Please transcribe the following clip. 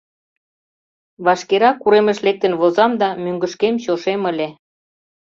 Вашкерак уремыш лектын возам да мӧҥгышкем чошем ыле.